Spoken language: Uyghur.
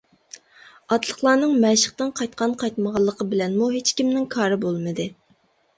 ئاتلىقلارنىڭ مەشىقتىن قايتقان-قايتمىغانلىقى بىلەنمۇ ھېچكىمنىڭ كارى بولمىدى.